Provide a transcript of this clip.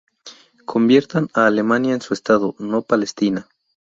Conviertan a Alemania en su estado, no Palestina.